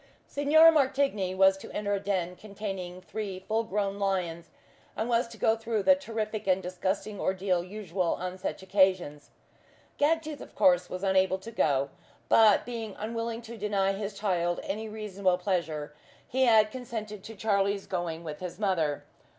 Signor Martigny was to enter a den containing three full grown lions, and was to go through the terrific and disgusting ordeal usual on such occasions. Gagtooth, of course, was unable to go; but, being unwilling to deny his child any reasonable pleasure, he had consented to Charlie's going with his mother.